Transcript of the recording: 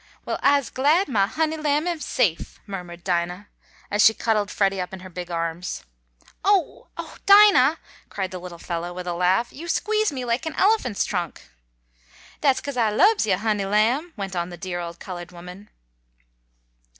"Well, I'se glad mah honey lamb am safe!" murmured Dinah, as she cuddled Freddie up in her big arms. "Oh oh, Dinah!" cried the little fellow with a laugh. "You squeeze me like an elephant's trunk!" "Dat's 'cause I lubs yo', honey lamb!" went on the dear old colored woman.